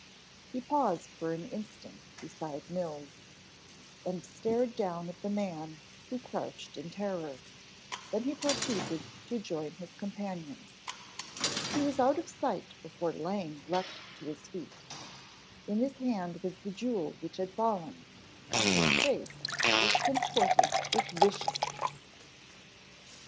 He paused for an instant beside Mills, and stared down at the man who crouched in terror, then he proceeded to join his companions. He was out of sight before Lang leaped to his feet. In his hand was the jewel which had fallen, and his face was contorted with viciousness.